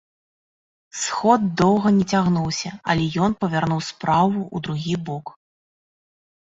Сход доўга не цягнуўся, але ён павярнуў справу ў другі бок.